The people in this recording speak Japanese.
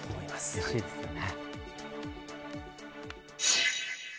うれしいですよね。